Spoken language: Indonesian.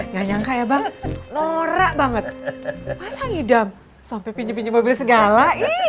nggak nyangka ya bang norak banget masa ngidam sampai pinjem pinjem mobil segala